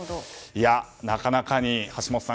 なかなかに橋下さん